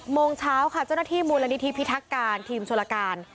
โมงเช้าค่ะเจ้าหน้าที่มูลนิธิพิทักการทีมชลการ